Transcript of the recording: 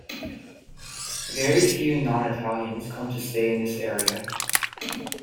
Very few non-Italians come to stay in this area.